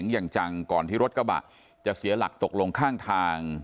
อย่างจังก่อนที่รถกระบะจะเสียหลักตกลงข้างทาง